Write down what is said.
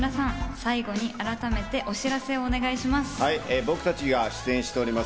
岡田さん、木村さん、最後に改めてお知らせをお願いします。